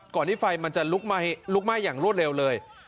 ที่ไฟมันจะลุกไหม้อย่างรวดเร็วเลย